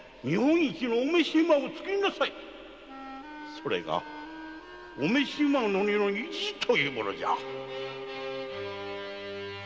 それが御召馬乗りの意地というものじゃ